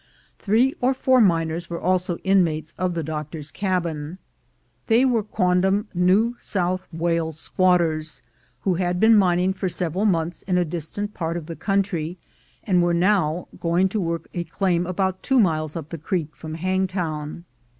Three or four miners were also inmates of the doctor's cabin. They were quondam New South Wales squatters, who had been mining for several months in a distant part of the country, and were now going to work a claim about two miles up the creek from Hangtown.